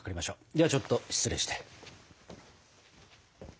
ではちょっと失礼して。